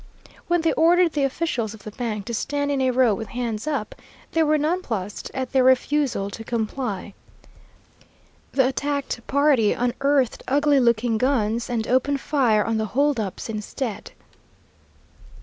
When they ordered the officials of the bank to stand in a row with hands up, they were nonplused at their refusal to comply. The attacked party unearthed ugly looking guns and opened fire on the hold ups instead.